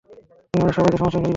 তুমি আমাদের সবাইকে সমস্যায় ফেলবে।